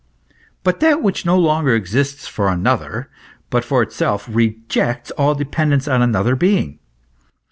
But that which 110 longer exists for another, but for itself, rejects all dependence on another being.